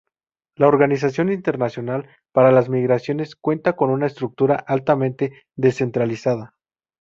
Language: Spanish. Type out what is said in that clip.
La Organización Internacional para las Migraciones cuenta con una estructura altamente descentralizada.